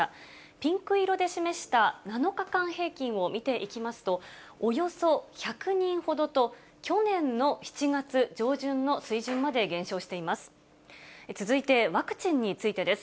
ピンク色で示した７日間平均を見ていきますと、およそ１００人ほどと、去年の７月上旬の水準まで減少しています。